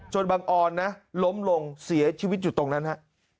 บังออนนะล้มลงเสียชีวิตอยู่ตรงนั้นฮะ